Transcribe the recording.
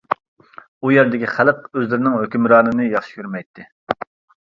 ئۇ يەردىكى خەلق ئۆزلىرىنىڭ ھۆكۈمرانىنى ياخشى كۆرمەيتتى.